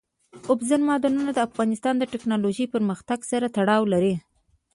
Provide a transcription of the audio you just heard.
اوبزین معدنونه د افغانستان د تکنالوژۍ پرمختګ سره تړاو لري.